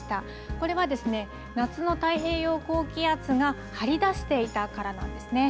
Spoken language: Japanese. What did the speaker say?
これは、夏の太平洋高気圧が張り出していたからなんですね。